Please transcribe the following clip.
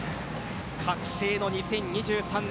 覚醒の２０２３年。